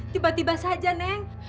tiba tiba saja neng